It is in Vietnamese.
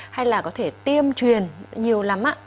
hay là có thể tiêm truyền nhiều lắm ạ